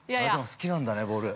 ◆好きなんだね、ボール。